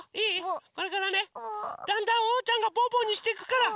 これからねだんだんおうちゃんのぽぅぽにしていくから。